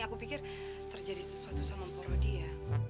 aku pikir terjadi sesuatu sama porodi ya